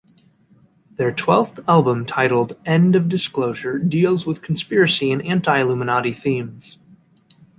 Their twelfth album titled End of Disclosure deals with conspiracy and anti-Illuminati themes.